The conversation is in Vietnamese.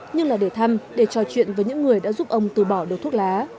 nhưng là để thăm để trò chuyện với những người đã giúp ông từ bỏ được thuốc lá